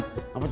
apa jadi begini